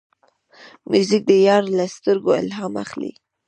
موزیک د یار له سترګو الهام اخلي.